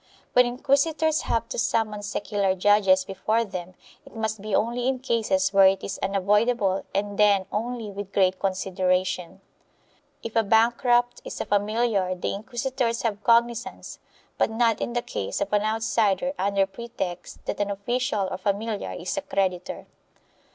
When inquisitors have to summon secular judges before them it must be only in cases where it is unavoidable and then only with great consideration. If a bankrupt is a familiar the inquisitors have cognizance, but not in the case •of an outsider under pretext that an official or familiar is a creditor.